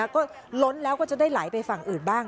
ก็ล้นแล้วก็จะได้ไหลไปฝั่งอื่นบ้าง